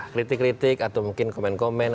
kritik kritik atau mungkin komen komen